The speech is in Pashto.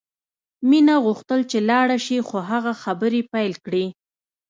مینه غوښتل چې لاړه شي خو هغه خبرې پیل کړې